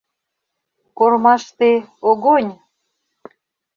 — Кормаште, огонь!